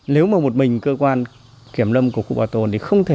nếu mà một mình cơ quan kiểm lâm của khu bảo tồn thì không thể